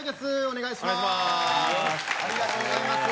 お願いします